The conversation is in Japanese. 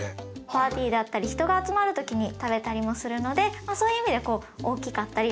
パーティーだったり人が集まる時に食べたりもするのでそういう意味でこう大きかったり。